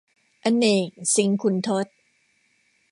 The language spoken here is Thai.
อเนก สิงขุนทด